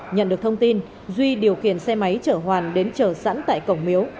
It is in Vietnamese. nhận được thông tin duy điều khiển xe máy chở hoàn đến chở sẵn tại cổng miếu